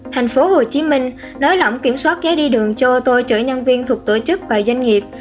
thành phố hồ chí minh nới lỏng kiểm soát ghế đi đường cho ô tô chở nhân viên thuộc tổ chức và doanh nghiệp